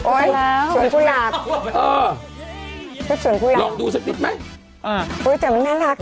โอ๊ยส่วนผู้หลัก